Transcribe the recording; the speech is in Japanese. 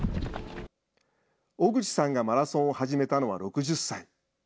小口さんがマラソンを始めたのは６０歳。